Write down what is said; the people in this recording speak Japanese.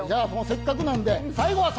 せっかくなんで。